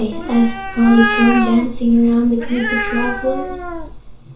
asked Polychrome, dancing around the group of travelers.